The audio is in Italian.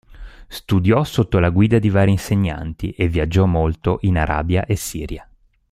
Studiò sotto la guida di vari insegnanti, e viaggiò molto in Arabia e Siria.